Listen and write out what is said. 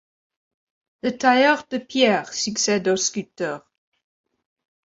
Le tailleur de pierre succède au sculpteur.